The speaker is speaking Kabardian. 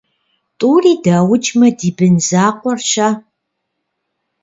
- ТӀури даукӀмэ, ди бын закъуэр - щэ?